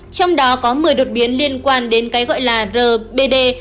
trong đó có một mươi đột biến liên quan đến cái gọi là rbd